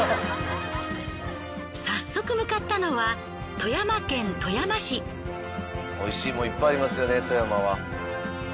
早速向かったのは美味しいもんいっぱいありますよね富山は。